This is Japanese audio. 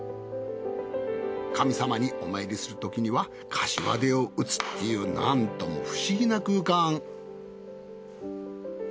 神様にお参りするときにはかしわ手を打つというなんとも不思議な空間。